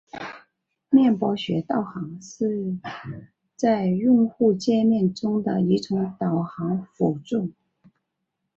面包屑导航是在用户界面中的一种导航辅助。